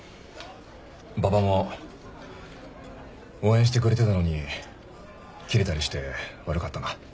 馬場も応援してくれてたのにキレたりして悪かったな。